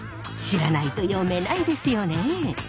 知らないと読めないですよね。